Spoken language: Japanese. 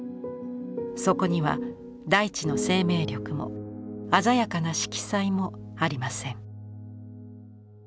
そこには大地の生命力も鮮やかな色彩もありません。